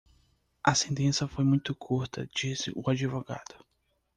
A sentença foi muito curta disse o advogado.